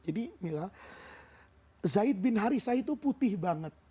jadi bila zaid bin harithah itu putih banget